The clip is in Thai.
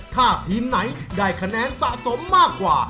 ถ้าทีมไหนได้คะแนนสะสมมากกว่า